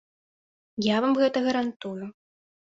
Я вам гэта гарантую.